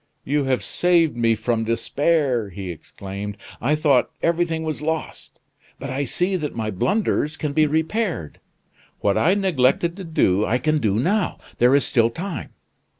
"You have saved me from despair," he exclaimed, "I thought everything was lost; but I see that my blunders can be repaired. What I neglected to do, I can do now; there is still time.